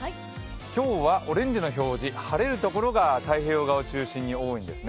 今日はオレンジの表示、晴れる所が太平洋側を中心に多いんですね。